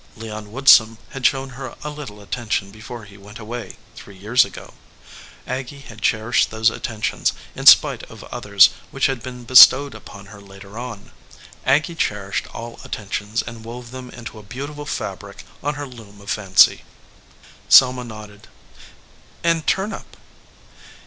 Leon Woodsum had shown her a little attention before he went away, three years ago. Aggy had cher ished those attentions in spite of others which had been bestowed upon her later on. Aggy cherished all attentions and wove them into a beautiful fabric on her loom of fancy. Selma nodded. "And turnip."